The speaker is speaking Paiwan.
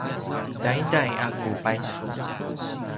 taiday a ku paisu